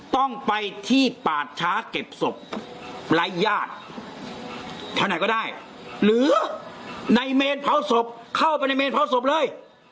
ต้องไปที่ปาดช้าเก็บศพไร้ญาติแถวไหนก็ได้หรือในเมนเผาศพเข้าไปในเมนเผาศพเลย